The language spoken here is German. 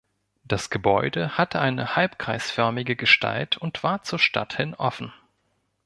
Das Gebäude hatte eine halbkreisförmige Gestalt und war zur Stadt hin offen.